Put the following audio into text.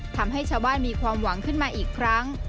ทำให้ชาวบ้านมีความหวังขึ้นมาอีกครั้ง